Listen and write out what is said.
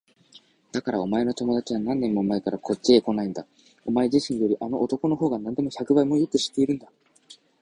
だからお前の友だちは何年も前からこっちへこないのだ。お前自身よりあの男のほうがなんでも百倍もよく知っているんだ。